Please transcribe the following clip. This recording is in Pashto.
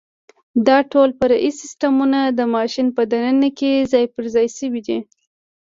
دا ټول فرعي سیسټمونه د ماشین په دننه کې ځای پرځای شوي دي.